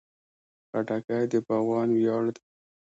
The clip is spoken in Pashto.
خټکی د باغوان ویاړ دی.